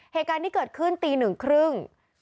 เหตุการณ์นี้เกิดขึ้นตี๑๓๐น